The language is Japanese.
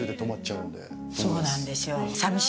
そうなんですよ。